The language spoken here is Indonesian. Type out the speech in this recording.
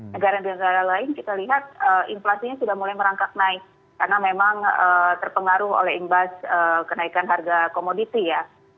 negara negara lain kita lihat inflasinya sudah mulai merangkak naik karena memang terpengaruh oleh imbas kenaikan harga komoditi ya